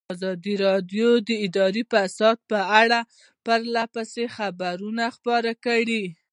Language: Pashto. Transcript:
ازادي راډیو د اداري فساد په اړه پرله پسې خبرونه خپاره کړي.